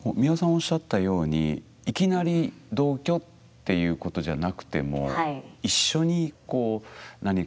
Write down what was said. おっしゃったようにいきなり同居っていうことじゃなくても一緒にこう何かを楽しむ。